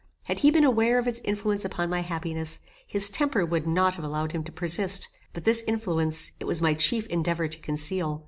Had he been aware of its influence upon my happiness, his temper would not have allowed him to persist; but this influence, it was my chief endeavour to conceal.